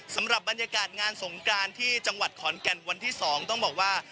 สำหรับบรรยากาศงานสงกรานที่จังหวัดขอนแก่นวันที่๒ต้องบอกว่า